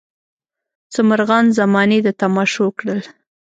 څه مرغان زمانې د تماشو کړل.